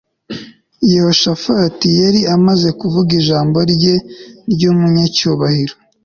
Yehoshafati yari yamaze kuvuga ijambo rye ryumunyacyubahiro